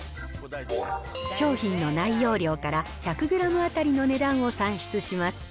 商品の内容量から１００グラム当たりの値段を算出します。